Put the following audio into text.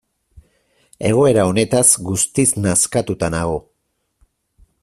Egoera honetaz guztiz nazkatuta nago.